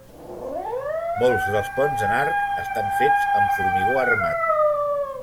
Molts dels ponts en arc estan fets amb formigó armat.